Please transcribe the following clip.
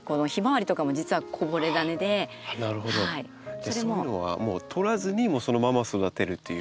じゃあそういうものはもう取らずにそのまま育てるっていうか。